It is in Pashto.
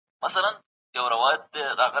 که سياست لوبه وي نو ډېرو لوبغاړو ته اړتيا لري.